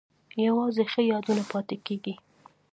یوازې ښه یادونه پاتې کیږي